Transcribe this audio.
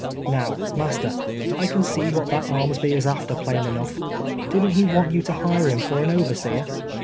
Kow, master, I can see what that Armsby is after, plain enough. Did'nt he want you to hire him for an overseer?''